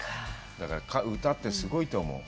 だから、歌ってすごいと思う。